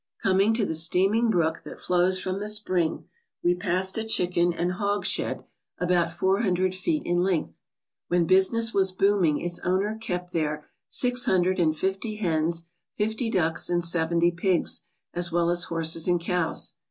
Coming to the steaming brook that flows from the spring, we passed a chicken and hog shed about four 134 HOT SPRINGS IN COLD LANDS hundred feet in length. When business was booming its owner kept there six hundred and fifty hens, fifty ducks, and seventy pigs, as well as horses and cows.